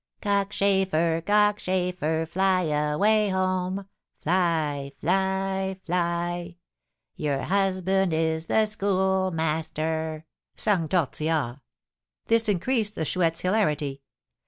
"Cockchafer, cockchafer, fly away home! Fly, fly, fly! Your husband is the Schoolmaster!" sung Tortillard. This increased the Chouette's hilarity.